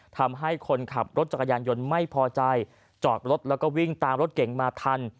ทำให้คนขับรถจักรยานยนต์ไม่พอใจจอดรถแล้วก็วิ่งตามรถเก่งมาทัน